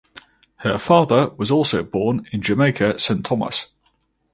Her father was also born in Jamaica St Thomas.